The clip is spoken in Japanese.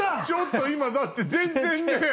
ちょっと今だって全然ね。